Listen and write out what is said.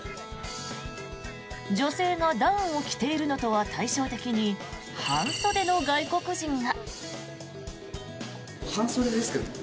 女性がダウンを着ているのとは対照的に半袖の外国人が。